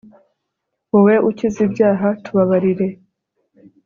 wowe ukiza ibyaha, tubabarire